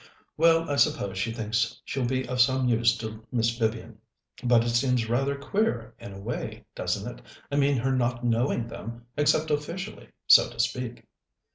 "Well, I suppose she thinks she'll be of some use to Miss Vivian, but it seems rather queer, in a way, doesn't it? I mean her not knowing them, except officially, so to speak."